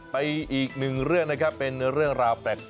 อีกหนึ่งเรื่องนะครับเป็นเรื่องราวแปลก